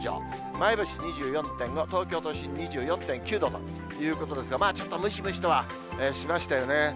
前橋２４．５、東京都心２４．９度ということですが、ちょっとムシムシとはしましたよね。